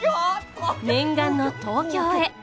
念願の東京へ。